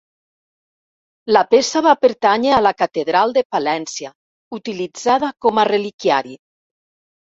La peça va pertànyer a la Catedral de Palència utilitzada com a reliquiari.